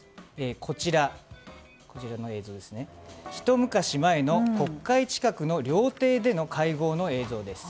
こちらの映像、ひと昔前の国会近くの料亭での会合の映像です。